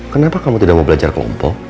kenapa kamu tidak mau belajar kelompok